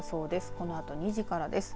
このあと２時からです。